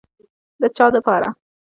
د چا دپاره.